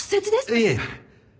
いえ。